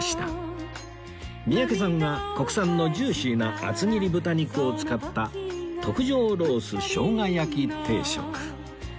三宅さんは国産のジューシーな厚切り豚肉を使った特上ロース生姜焼き定食